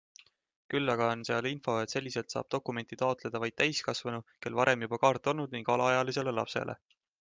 Küll aga on seal info, et selliselt saab dokumenti taotleda vaid täiskasvanu, kel varem juba kaart olnud ning alaealisele lapsele.